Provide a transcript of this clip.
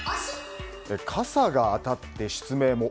傘が当たって失明も。